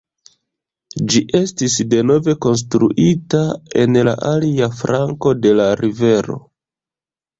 Ĝi estis denove konstruita en la alia flanko de la rivero.